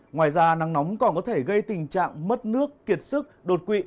ngoài ra nắng nóng còn có thể gây tình trạng mất nước kiệt sức đột quỵ